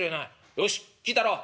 「よし聞いたろう。